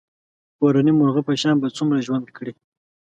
کورني مرغه په شان به څومره ژوند کړې.